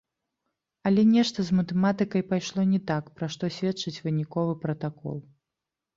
Але нешта з матэматыкай пайшло не так, пра што сведчыць выніковы пратакол.